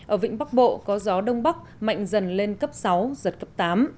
ở vịnh bắc bộ có gió đông bắc mạnh dần lên cấp sáu giật cấp tám